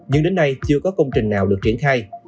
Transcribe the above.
nhưng đến nay chưa có công trình nào được triển khai